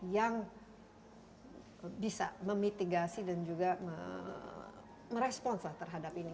yang bisa memitigasi dan juga merespons lah terhadap ini